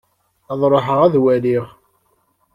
Ad ruḥeɣ ad waliɣ.